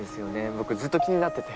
僕ずっと気になってて。